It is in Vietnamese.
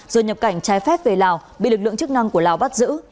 rồi nhập cảnh trái phép về lào bị lực lượng chức năng của lào bắt giữ